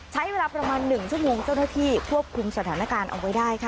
ใช้เวลาประมาณ๑ชั่วโมงเจ้าหน้าที่ควบคุมสถานการณ์เอาไว้ได้ค่ะ